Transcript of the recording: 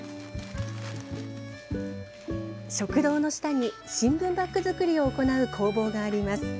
食堂の下に新聞バッグ作りを行う工房があります。